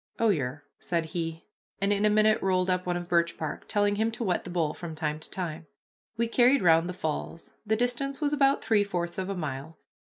"Oh, yer," said he, and in a minute rolled up one of birch bark, telling him to wet the bowl from time to time. We carried round the falls. The distance was about three fourths of a mile.